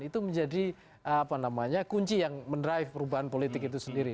itu menjadi kunci yang mendrive perubahan politik itu sendiri